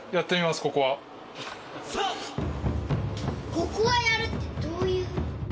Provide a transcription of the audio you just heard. ここはやるってどういう。